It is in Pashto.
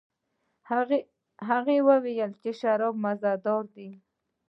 هغې وویل چې شراب مزه دار دي.